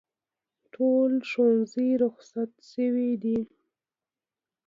ټول ښوونځي روخصت شوي دي